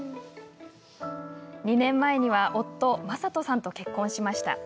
２年前には夫・将人さんと結婚しました。